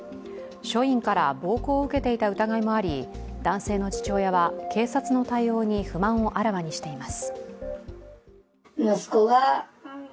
署員から暴行を受けていた疑いもあり、男性の父親は警察の対応に不満をあらわにしています。